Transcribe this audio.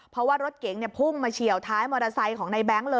เพราะว่ารถเก๋งพุ่งมาเฉียวท้ายมอเตอร์ไซค์ของในแบงค์เลย